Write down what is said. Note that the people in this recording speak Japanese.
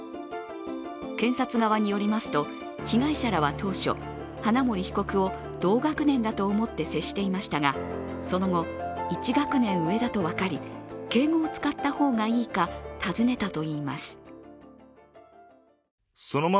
検察側によりますと、被害者らは当初、花森被告を同学年だと思って接していましたがその後、１学年上だと分かり敬語を使った方がいいか尋ねたといいます。